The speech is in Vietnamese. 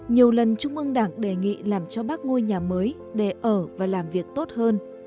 nhiều lần trung ương đảng đề nghị làm cho bác ngôi nhà mới để ở và làm việc tốt hơn